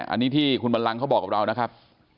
อันนี้ที่คุณบันลังเขาบอกกับเรานะครับ